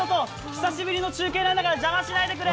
久しぶりの中継なんだから邪魔しないでくれ。